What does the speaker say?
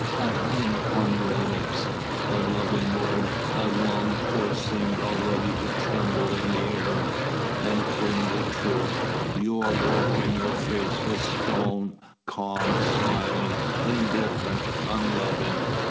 I hung upon your lips. The loving word I longed for seemed already to tremble in the air. Then came the truth. You awoke, and your face was stone, calm, smiling, indifferent, unloving.